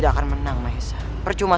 dan menangkap kake guru